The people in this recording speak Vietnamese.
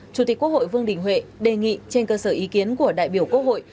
chủ tịch quốc hội vương đình huệ đề nghị trên cơ sở ý kiến của đại biểu quốc hội